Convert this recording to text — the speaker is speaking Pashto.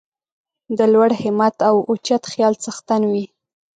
د لوړ همت او اوچت خیال څښتن وي.